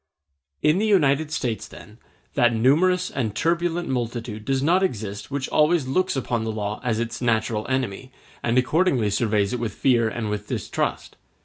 In the United States, then, that numerous and turbulent multitude does not exist which always looks upon the law as its natural enemy, and accordingly surveys it with fear and with fear and with distrust.